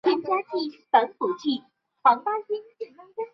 藏南柳为杨柳科柳属下的一个种。